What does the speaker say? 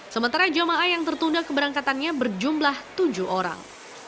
sementara jemaah yang tertunda keberangkatannya berjumlah tujuh orang